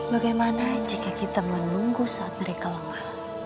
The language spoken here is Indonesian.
bagaimana jika kita menunggu saat mereka lelah